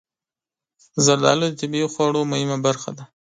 زردالو د طبعي خواړو مهمه برخه ده.